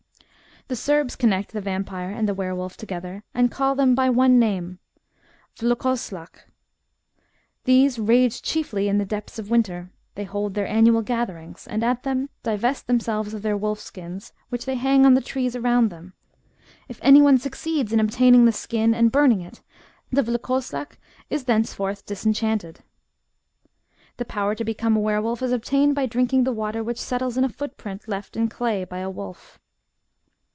The Serbs connect the vampire and the were wolf together, and call them by one name vlkoslak. These rage chiefly in the depths of winter : they hold their annual gatherings, and at them divest themselves of their wolf skins, which they hang on the trees around them. If any one succeeds in obtaining the skin and burning it, the vlkoslak is thenceforth disenchanted. The power to become a were wolf is obtained by drinking the water which settles in a foot print left in clay by a wolf.